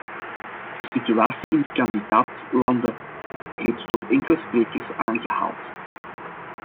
De situatie in de kandidaat-landen werd reeds door enkele sprekers aangehaald.